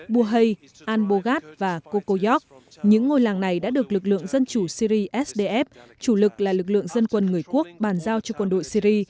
buhay an bogat và koko yok những ngôi làng này đã được lực lượng dân chủ syri sdf chủ lực là lực lượng dân quân người quốc bàn giao cho quân đội syri